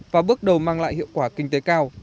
và bước đầu mang lại hiệu quả kinh tế cao